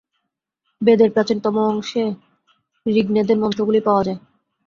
বেদের প্রাচীনতম অংশে ঋগ্বেদের মন্ত্রগুলি পাওয়া যায়।